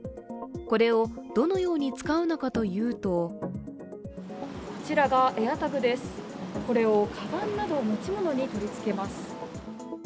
これをどのように使うのかというとこちらがＡｉｒＴａｇです、これをかばんなど持ち物に取りつけます。